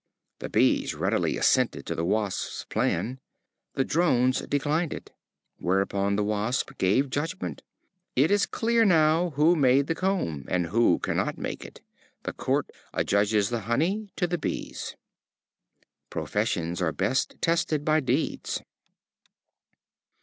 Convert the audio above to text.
The Bees readily assented to the Wasp's plan. The Drones declined it. Whereupon the Wasp gave judgment: "It is clear now who made the comb, and who cannot make it; the Court adjudges the honey to the Bees." Professions are best tested by deeds.